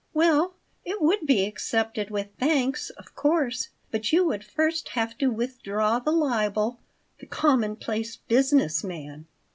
"Well, it would be accepted with thanks, of course, but you would first have to withdraw the libel 'the commonplace business man.'